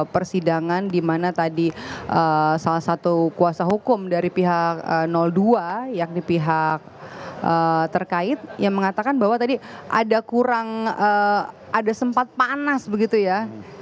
persidangan dimana tadi salah satu kuasa hukum dari pihak dua yakni pihak terkait yang mengatakan bahwa tadi ada kurang ada sempat panas begitu ya